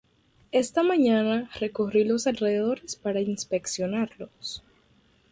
Esta mañana recorrí los alrededores para inspeccionarlos